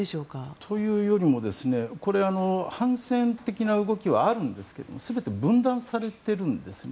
というよりも反戦的な動きはあるんですけれども全て分断されているんですね。